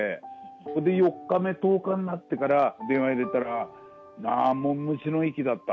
それで４日目、１０日になってから電話入れたら、虫の息だった。